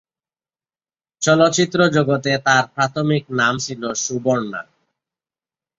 চলচ্চিত্র জগতে তার প্রাথমিক নাম ছিলো "সুবর্ণা"।